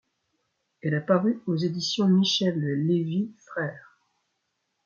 Elle a paru aux éditions Michel Lévy frères.